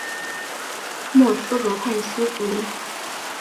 默斯河畔西夫里。